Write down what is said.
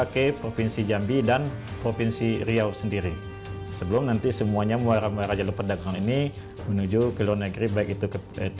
keberadaannya teridentifikasi melalui kamera jebak